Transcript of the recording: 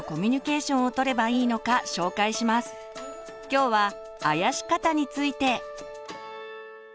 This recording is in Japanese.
今日は「あやし方」について。